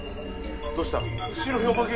どうした？